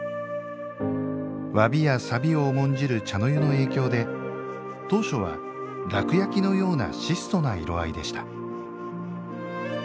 侘びや寂びを重んじる茶の湯の影響で当初は、「楽焼」のような質素な色合いでした。